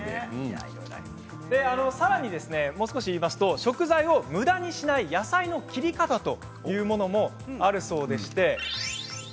さらにもう少し言いますと食材をむだにしない野菜の切り方というものもあるそうです。